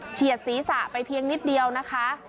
เฉียดศีรษะไปเพียงนิดเดียวนะคะ